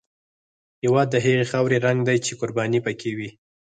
هېواد د هغې خاورې رنګ دی چې قرباني پکې وي.